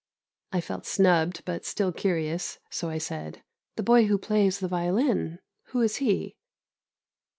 I felt snubbed but still curious, so I said "The boy who plays the violin, who is he?"